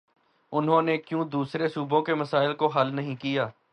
انہوں نے کیوں دوسرے صوبوں کے مسائل کو حل نہیں کیا؟